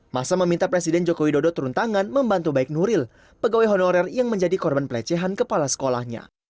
masa meminta presiden joko widodo turun tangan membantu baik nuril pegawai honorer yang menjadi korban pelecehan kepala sekolahnya